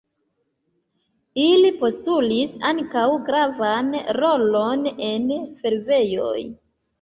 Ili postulis ankaŭ gravan rolon en fervojoj.